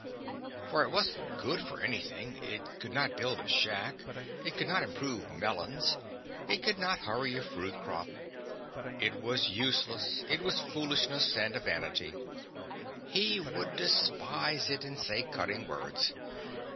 For it wasn't good for anything; it could not build a shack, it could not improve melons, it could not hurry a fruit crop; it was useless, it was a foolishness and a vanity; he would despise it and say cutting words.